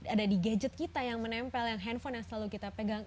ada di gadget kita yang menempel yang handphone yang selalu kita pegang